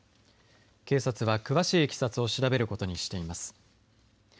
警察は詳しいいきさつを調べることにしています。